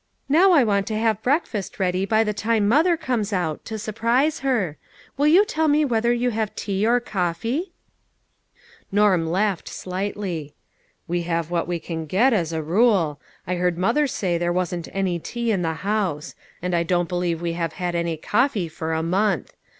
"Now I want to have breakfast ready by the time mother comes out, to surprise her. Will you tell me whether you have tea or coffee ?" Norm laughed slightly. " We have what we can get, as a rule. I heard mother say there wasn't any tea in the house. And I don't believe we have had any coffee for a month.